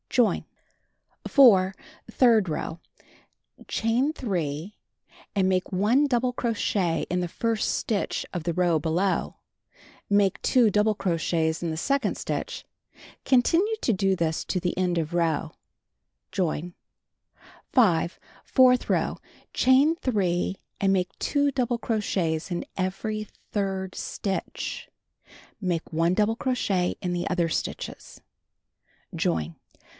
Join. 4. Third row: Chain 3, and make 1 double cro chet in the first stitch of the row below. Make 2 double crochets in the second stitch. Continue to do this to end of row. Join. 5. Fourth row : Chain 3 and make 2 double in every third stitch, (Make 1 double crochet stitches.) Join.